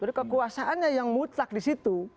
jadi kekuasaannya yang mutlak di situ